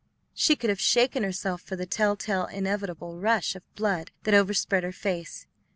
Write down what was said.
She could have shaken herself for the telltale, inevitable rush of blood that overspread her face.